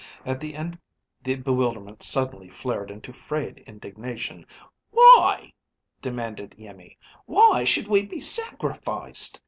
At the end the bewilderment suddenly flared into frayed indignation. "Why?" demanded Iimmi. "Why should we be sacrificed?